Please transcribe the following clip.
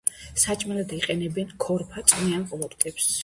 საჭმელად იყენებენ ქორფა, წვნიან ყლორტებს.